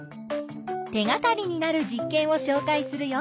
手がかりになる実験をしょうかいするよ。